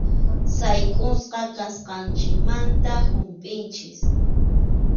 Saykʼusqa kasqanchikmanta humpʼinchik.